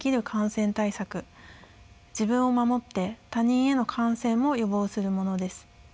自分を守って他人への感染も予防するものです。